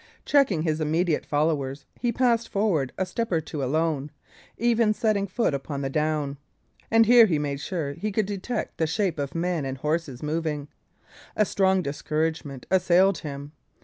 Checking his immediate followers, he passed forward a step or two alone, even setting foot upon the down; and here he made sure he could detect the shape of men and horses moving. A strong discouragement assailed him.